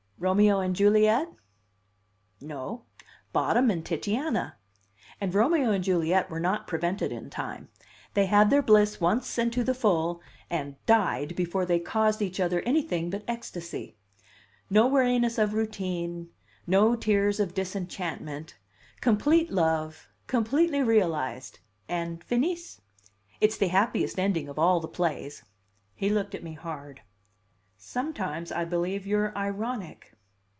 "Romeo and Juliet?" "No; Bottom and Titania and Romeo and Juliet were not prevented in time. They had their bliss once and to the full, and died before they caused each other anything but ecstasy. No weariness of routine, no tears of disenchantment; complete love, completely realized and finis! It's the happiest ending of all the plays." He looked at me hard. "Sometimes I believe you're ironic!"